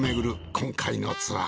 今回のツアー。